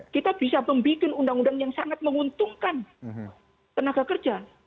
kita bisa membuat undang undang yang sangat menguntungkan tenaga kerja